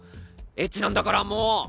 エッチなんだからもう。